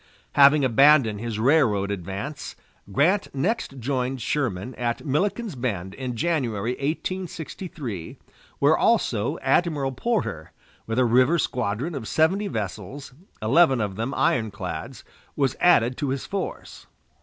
Having abandoned his railroad advance, Grant next joined Sherman at Milliken's Bend in January, 1863, where also Admiral Porter, with a river squadron of seventy vessels, eleven of them ironclads, was added to his force.